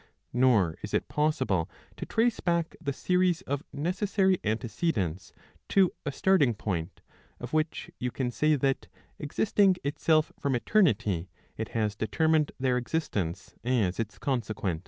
Nor is it possible to trace back the series of necessary antecedents to a starting point, of which you can say that, existing itself from eternity, it has determined their existence as its consequent.